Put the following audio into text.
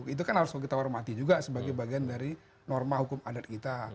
itu kan harus kita hormati juga sebagai bagian dari norma hukum adat kita